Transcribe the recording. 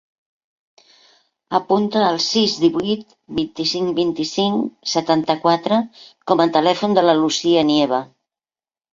Apunta el sis, divuit, vint-i-cinc, vint-i-cinc, setanta-quatre com a telèfon de la Lucía Nieva.